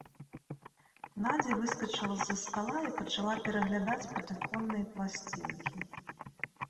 Надзя выскачыла з-за стала і пачала пераглядаць патэфонныя пласцінкі.